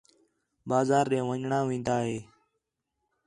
بازار ݙے ون٘ڄݨاں ہون٘دا ہے